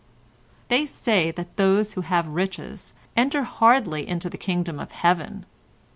They say that those who have riches enter hardly into the kingdom of Heaven.